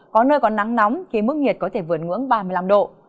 có nơi có nắng nóng khi mức nhiệt có thể vượt ngưỡng ba mươi năm độ